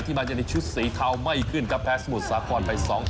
ที่มันจะในชุดสีเทาไม่ขึ้นกับแพทย์สมุทรสากรไป๒๕